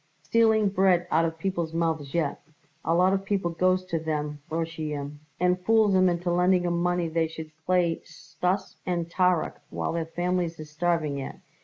"Stealing bread out of people's mouths yet. A lot of people goes to them Roshoyim and fools 'em into lending 'em money they should play Stuss and Tarrok, while their families is starving yet.